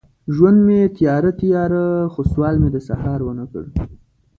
ژوند مې تیاره، تیاره، خو سوال مې د سهار ونه کړ